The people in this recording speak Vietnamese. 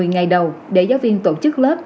một mươi ngày đầu để giáo viên tổ chức lớp